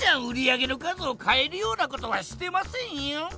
売り上げの数をかえるようなことはしてませんよ！